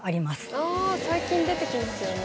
あ最近出てきますよね。